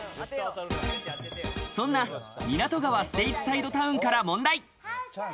そんな港川ステイツサイドタウンから問題。